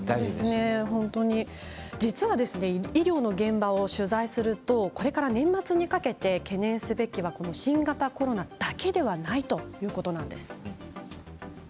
医療の現場を取材するとこれから年末にかけて懸念すべきは新型コロナだけではないということなんです。